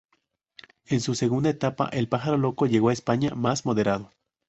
En su segunda etapa, el Pájaro Loco llegó a España más moderado.